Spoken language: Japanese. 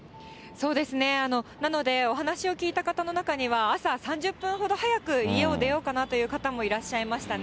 そうですね、なので、お話を聞いた方の中には、朝３０分ほど早く家を出ようかなという方もいらっしゃいましたね。